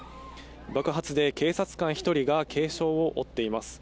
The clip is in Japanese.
爆発で警察官１人が軽傷を負っています。